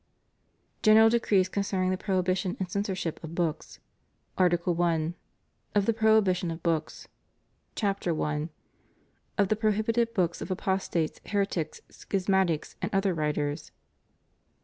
GENERAL DECREES CONCERNING THE PROHIBI TION AND CENSORSHIP OF BOOKS. ARTICLE I. Or THB Prohibition of Books. CHAPTER I. Of the Prohibited Books of ApostoJes, Heretics, Schismatics, and Other Writers.